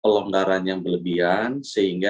pelonggaran yang berlebihan sehingga